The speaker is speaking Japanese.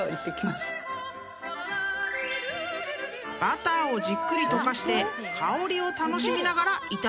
［バターをじっくり溶かして香りを楽しみながら頂くのが長尾流］